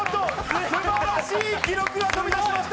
素晴らしい記録が飛び出しました！